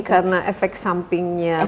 ini karena efek sampingnya penumpukan zat besi